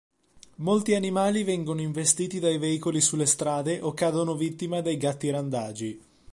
Molti animali vengono investiti dai veicoli sulle strade, o cadono vittima dei gatti randagi.